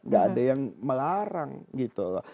gak ada yang melarang gitu loh